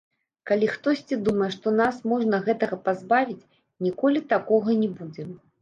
Калі хтосьці думае, што нас можна гэтага пазбавіць, ніколі такога не будзе.